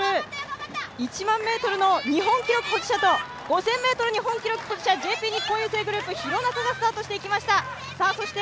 １００００ｍの日本記録保持者と５０００ｍ日本記録保持者廣中がスタートしていきました。